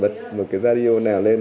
bật một cái radio nào lên